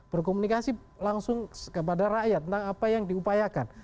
berkomunikasi langsung kepada rakyat tentang apa yang diupayakan